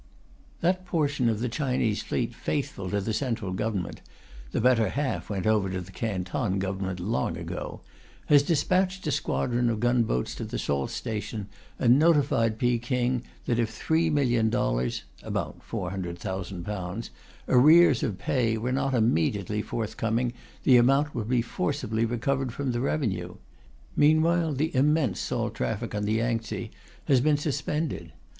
That portion of the Chinese fleet faithful to the Central Government the better half went over to the Canton Government long ago has dispatched a squadron of gunboats to the salt station and notified Peking that if $3,000,000 (about £400,000) arrears of pay were not immediately forthcoming the amount would be forcibly recovered from the revenue. Meanwhile the immense salt traffic on the Yangtsze has been suspended.